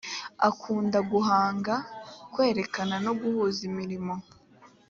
akunda guhanga kwerekana no guhuza imirimo